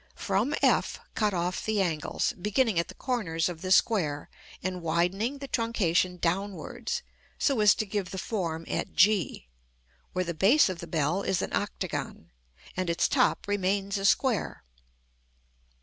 From f cut off the angles, beginning at the corners of the square and widening the truncation downwards, so as to give the form at g, where the base of the bell is an octagon, and its top remains a square.